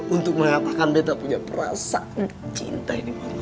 untuk mengatakan betta punya perasaan cinta ini mak nona